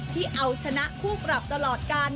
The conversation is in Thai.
ที่เอาชนะคู่ปรับตลอดการ